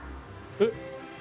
えっ？